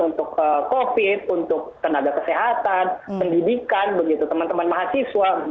untuk covid untuk tenaga kesehatan pendidikan teman teman mahasiswa